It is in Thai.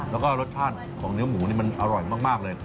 แล้วก็รสชาติของเนื้อหมูนี่มันอร่อยมากเลย